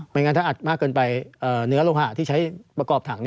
งั้นถ้าอัดมากเกินไปเนื้อโลหะที่ใช้ประกอบถัง